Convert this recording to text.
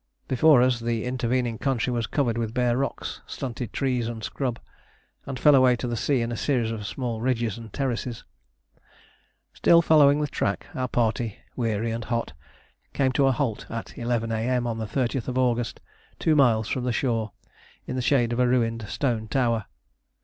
Before us, the intervening country was covered with bare rocks, stunted trees, and scrub, and fell away to the sea in a series of small ridges and terraces. Still following the track, our party, weary and hot, came to a halt at 11 A.M. on the 30th August, two miles from the shore, in the shade of a ruined stone tower.